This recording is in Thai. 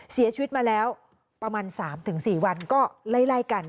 เสียชีวิตมาแล้วประมาณ๓๔วันก็ไล่กัน